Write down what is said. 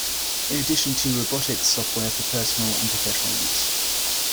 In addition to robotics software for personal and professional use.